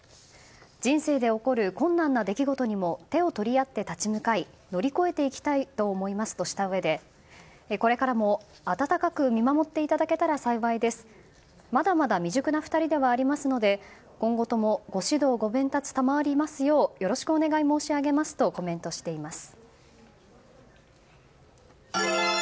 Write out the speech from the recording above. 人生で起こる困難な出来事にも手を取り合って立ち向かい乗り越えていきたいと思いますとしたうえでこれからも温かく見守っていただけたら幸いですまだまだ未熟な２人ではありますのでご指導ご鞭撻賜りますようよろしくお願い申し上げますとコメントしています。